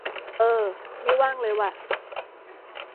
เออ ไม่ว่างเลยว่ะ